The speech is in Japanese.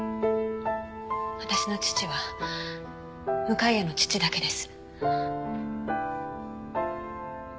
私の父は向谷の父だけです。